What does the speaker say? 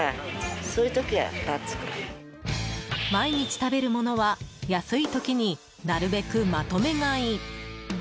毎日食べるものは安い時になるべくまとめ買い。